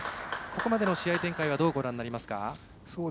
ここまでの試合展開はどうご覧になりますか？